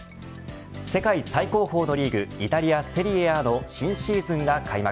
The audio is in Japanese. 世界最高峰のリーグイタリアセリエＡの新シーズンが開幕。